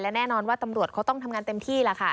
และแน่นอนว่าตำรวจเขาต้องทำงานเต็มที่แหละค่ะ